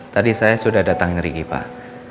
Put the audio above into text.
tadi saya sudah datangin riki pak